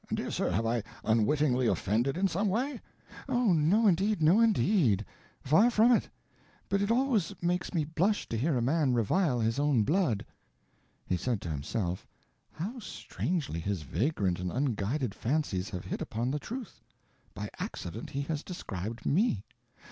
Dear sir, have I unwittingly offended in some way?" "Oh, no indeed, no indeed. Far from it. But it always makes me blush to hear a man revile his own blood." He said to himself, "How strangely his vagrant and unguided fancies have hit upon the truth. By accident, he has described me.